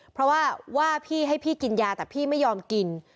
เพราะว่าว่าพี่ให้พี่กินยาแต่พี่ไม่ยอมกิน